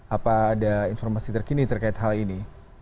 apa ada informasi terkini terkait hal ini